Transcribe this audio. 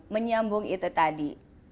menyambung itu tadi